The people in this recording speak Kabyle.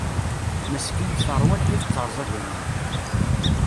Meskint terwa lḥif d terẓaganin.